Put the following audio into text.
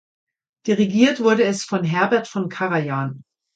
Dirigiert wurde es von Herbert von Karajan.